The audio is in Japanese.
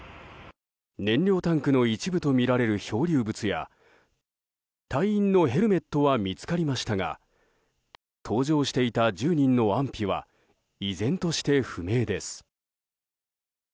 燃料タンクの一部とみられる漂流物や隊員のヘルメットは見つかりましたが搭乗していた１０人の安否は依然として不明です。